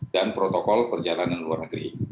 dan protokol perjalanan luar negeri